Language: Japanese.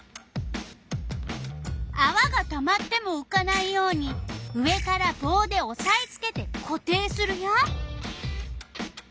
あわがたまってもうかないように上からぼうでおさえつけてこ定するよ。